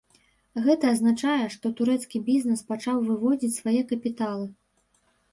Гэта азначае, што турэцкі бізнэс пачаў выводзіць свае капіталы.